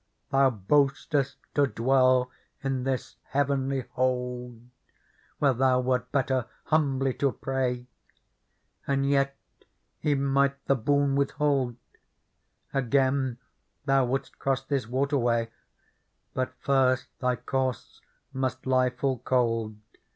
Thou boastest to dwell in this Heavenly Hold, Where thou wert better humbly to pray. And yet He might the boon withhold : Again, thou would'st cross this waterway ; But first thy corse must lie full cold.